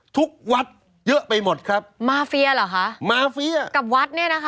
ทุกวัดเยอะไปหมดครับมาเฟียเหรอคะมาเฟียกับวัดเนี้ยนะคะ